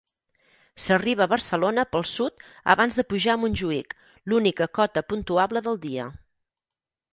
S'arriba a Barcelona pel sud abans de pujar a Montjuïc, l'única cota puntuable del dia.